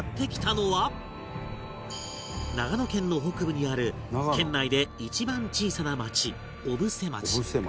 長野県の北部にある県内で一番小さな町小布施町